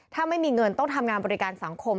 ถ้าไม่มีเงินต้องทำงานบริการสังคม